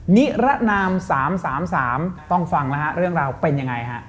นิรนาม๓๓ต้องฟังแล้วฮะเรื่องราวเป็นยังไงฮะ